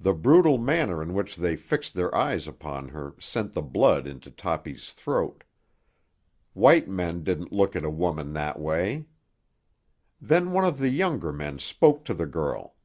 The brutal manner in which they fixed their eyes upon her sent the blood into Toppy's throat. White men didn't look at a woman that way. Then one of the younger men spoke to the girl.